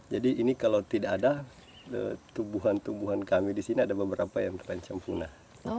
jadi ini kalau tidak ada tubuhan tubuhan kami di sini ada beberapa yang terancam punah